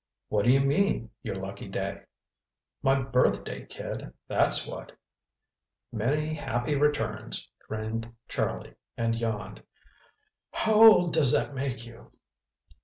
"What do you mean, your lucky day?" "My birthday, kid. That's what." "Many happy returns," grinned Charlie, and yawned. "How old does that make you?"